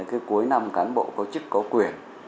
cái cuối năm cán bộ có chức có quyền